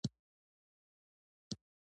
غریب د مینې قیمتي خزانه لري